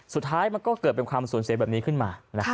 สุดท้ายมันก็เกิดเป็นความสูญเสียแบบนี้ขึ้นมา